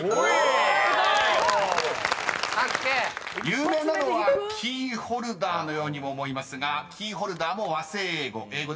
［有名なのは「キーホルダー」のようにも思いますが「キーホルダー」も和製英語。